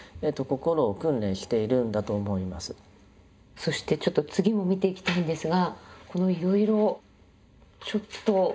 そしてちょっと次も見ていきたいんですがこのいろいろちょっと。